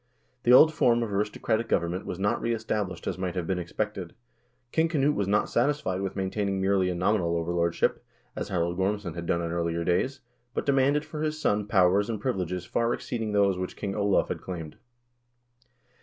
The old form of aristocratic government was not reestablished as might have been expected. King Knut was not satisfied with maintaining merely a nominal overlordship, as Harald Gormson had done in earlier days, but demanded for his son powers and privileges far exceeding those which King Olav had claimed.